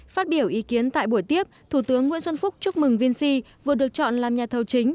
phát biểu ý kiến tại buổi tiếp thủ tướng nguyễn xuân phúc chúc mừng vinsy vừa được chọn làm nhà thầu chính